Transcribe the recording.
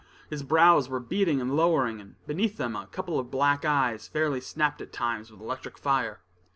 His brows were beetling and lowering, and beneath them a couple of black eyes fairly snapt at times with electric fire.